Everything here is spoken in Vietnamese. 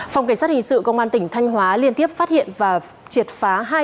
phòng cảnh sát hình sự công an tỉnh thanh hóa liên tiếp phát hiện và triệt phá